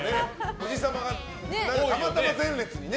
おじさまが、たまたま前列にね。